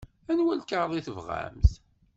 Anwa lkaɣeḍ i tebɣamt?